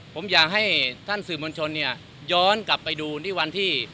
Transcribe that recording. ผมอยากให้ท่านสื่อมวลชนเนี่ยย้อนกลับไปดูนี่วันที่